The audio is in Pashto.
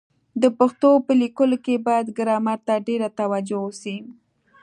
د پښتو په لیکلو کي بايد ګرامر ته ډېره توجه وسي.